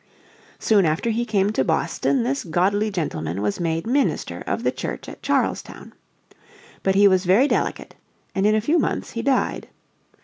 Soon after he came to Boston this godly gentleman was made minister of the church at Charlestown. But he was very delicate and in a few months he died.